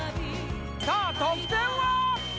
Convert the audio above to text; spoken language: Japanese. さあ得点は？